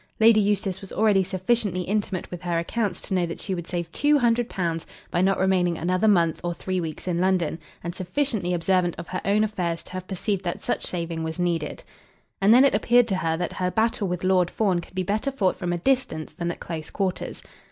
Lady Eustace was already sufficiently intimate with her accounts to know that she would save two hundred pounds by not remaining another month or three weeks in London, and sufficiently observant of her own affairs to have perceived that such saving was needed. And then it appeared to her that her battle with Lord Fawn could be better fought from a distance than at close quarters.